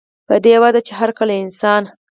پۀ دې وجه چې هر کله انسان